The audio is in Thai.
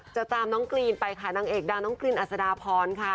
จะตามน้องกรีนไปค่ะนางเอกดังน้องกรีนอัศดาพรค่ะ